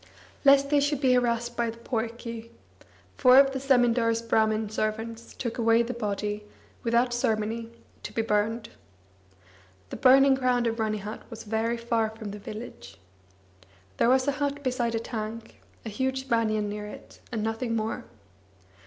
Lest they should be harassed by the poike, four of the zemindar's Brahmin servants took away the body, without ceremony, to be burned. The burning ground of Ranihat was very far from the village. There was a hut beside a tank, a huge banian near it, and nothing more.